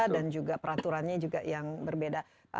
dan juga peraturannya juga yang berbeda